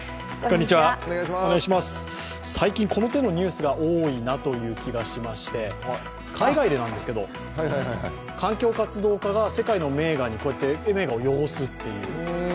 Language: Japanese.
最近、この手のニュースが多いなという気がしまして、海外でなんですけど、環境活動家が世界の名画にこうやって汚すっていう。